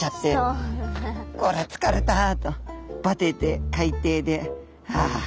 これは疲れたとバテて海底でああ